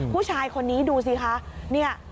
ผู้ชายคนนี้ดูสิค่ะ